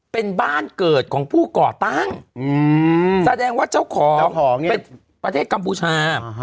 เป็นบ้านเกิดของผู้ก่อตั้งแสดงว่าเจ้าของเป็นประเทศกัมพูชา